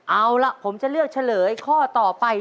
เอาล่ะผมจะเลือกเฉลยข้อต่อไป